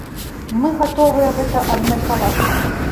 Мы гатовыя гэта абмеркаваць.